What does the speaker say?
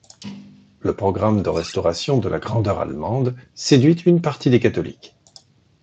Le programme de restauration de la grandeur allemande séduit une partie des catholiques.